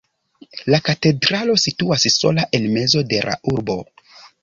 La katedralo situas sola en mezo de la urbo.